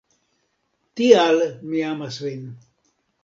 Tial mi amas vin